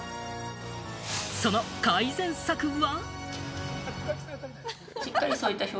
その改善策は？